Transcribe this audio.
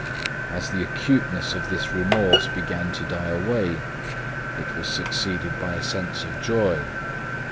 As the acuteness of this remorse began to die away, it was succeeded by a sense of joy.